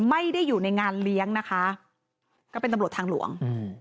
ไม่ได้อยู่ในงานเลี้ยงนะคะก็เป็นตำรวจทางหลวงอืม